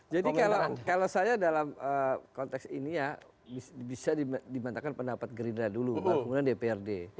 jadi kalau saya dalam konteks ini ya bisa dibantahkan pendapat gerindra dulu kemudian dprd